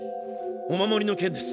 お守りの件です。